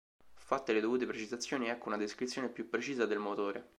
Fatte le dovute precisazioni, ecco una descrizione più precisa del motore.